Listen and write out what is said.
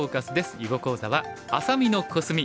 囲碁講座は「愛咲美のコスミ」。